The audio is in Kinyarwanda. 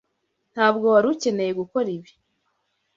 Ntabwo wari ukeneye gukora ibi. .